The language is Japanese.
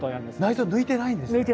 内臓を抜いてないんですね。